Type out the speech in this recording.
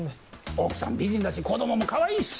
奥さん美人だし子供もかわいいし！